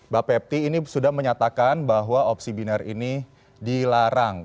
bapak pepti ini sudah menyatakan bahwa opsi binary ini dilarang